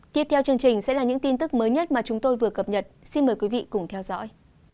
tiếp theo chương trình sẽ là những tin tức mới nhất mà chúng tôi vừa cập nhật xin mời quý vị cùng theo dõi